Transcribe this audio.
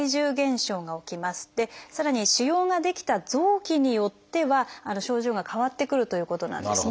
さらに腫瘍が出来た臓器によっては症状が変わってくるということなんですね。